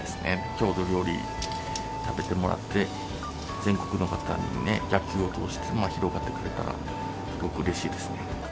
郷土料理を食べてもらって、全国の人に野球を通して広がってくれたら、すごくうれしいですね。